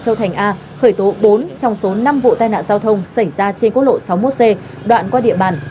châu thành a khởi tố bốn trong số năm vụ tai nạn giao thông xảy ra trên quốc lộ sáu mươi một c đoạn qua địa bàn